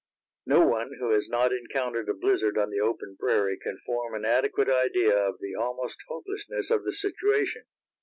No one who has not encountered a blizzard on the open prairie can form an adequate idea of the almost hopelessness of the situation.